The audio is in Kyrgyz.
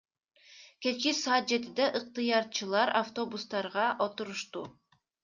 Кечки саат жетиде ыктыярчылар автобустарга отурушту.